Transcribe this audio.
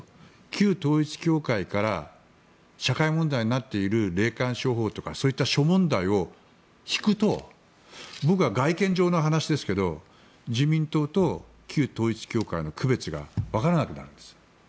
旧統一教会から社会問題になっている霊感商法とかそういった諸問題を引くと僕は、外見上の話ですけど自民党と旧統一教会の区別がわからなくなるんです。